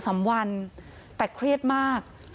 ศพที่สอง